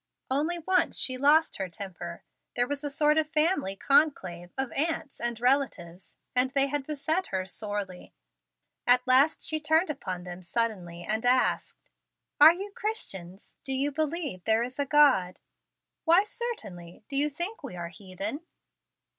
Only once she lost her temper. There was a sort of family conclave of aunts and relatives, and they had beset her sorely. At last she turned upon them suddenly, and asked: "Are you Christians? Do you believe there is a God?" "Why, certainly. Do you think we are heathen?"